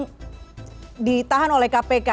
yang ditahan oleh kpk